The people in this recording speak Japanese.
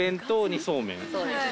そうです。